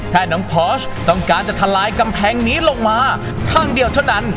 น้องพอสต้องการจะทลายกำแพงนี้ลงมาข้างเดียวเท่านั้น